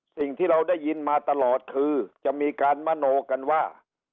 สิ่งที่เราได้ยินมาตลอดคือจะมีการมโนกันว่า